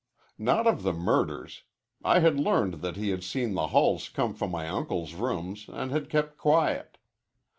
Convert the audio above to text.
"Not of the murders. I had learned that he had seen the Hulls come from my uncle's rooms an' had kept quiet.